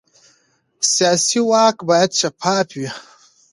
سیاسي واک باید شفاف وي